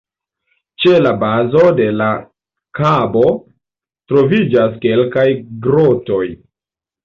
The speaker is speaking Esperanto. Ĉe la bazo de la kabo troviĝas kelkaj grotoj.